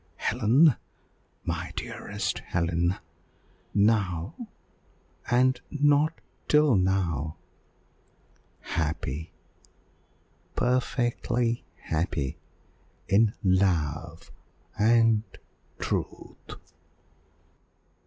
Helen, my dearest Helen, now, and not till now, happy perfectly happy in Love and Truth!"